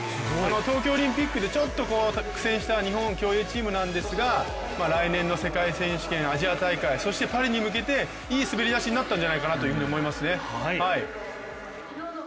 東京オリンピックでちょっと苦戦した日本競泳チームなんですが来年の世界選手権、アジア大会そしてパリに向けていい滑り出しになったんじゃないかと思いますね。